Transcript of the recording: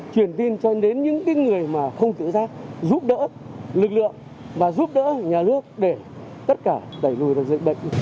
truyền tin cho đến những người mà không tự giác giúp đỡ lực lượng và giúp đỡ nhà nước để tất cả đẩy lùi được dịch bệnh